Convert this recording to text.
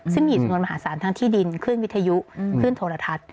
ซึ่งมีจำนวนมหาศาลทั้งที่ดินขึ้นวิทยุขึ้นโทรทัศน์